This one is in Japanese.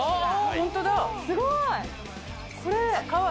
すごーい！